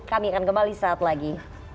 kami akan kembali saat lagi